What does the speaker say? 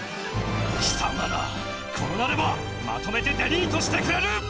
きさまらこうなればまとめてデリートしてくれる！